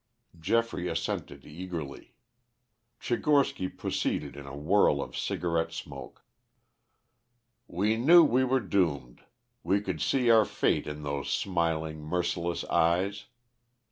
Geoffrey assented eagerly. Tchigorsky proceeded in a whirl of cigarette smoke. "We knew we were doomed. We could see our fate in those smiling, merciless eyes.